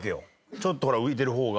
ちょっとほら浮いてる方が。